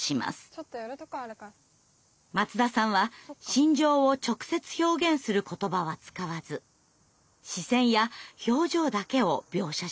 松田さんは心情を直接表現する言葉は使わず視線や表情だけを描写しました。